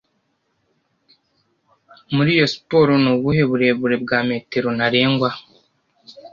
Muri iyo siporo ni ubuhe burebure bwa metero ntarengwa